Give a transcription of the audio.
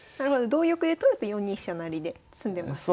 同玉で取ると４二飛車成で詰んでますね。